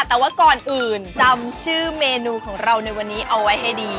แต่ว่าก่อนอื่นจำชื่อเมนูของเราในวันนี้เอาไว้ให้ดี